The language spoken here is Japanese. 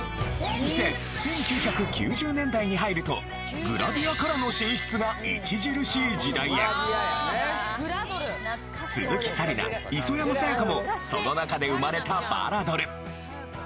そして１９９０年代に入るとグラビアからの進出が著しい時代へ！もその中で生まれたバラドル！